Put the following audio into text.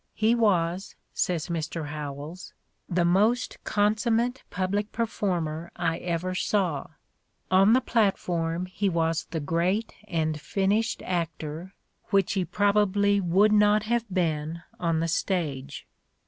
He 'was, says Mr. Howells, "the most consummate public performer I ever saw. ... On the platform he was the great and finished actor which he probably would not The Playboy in Letters 173 have been on the stage."